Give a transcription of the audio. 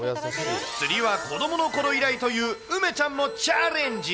釣りは子どものころ以来という梅ちゃんもチャレンジ。